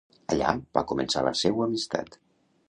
Allà, va començar la seua amistat.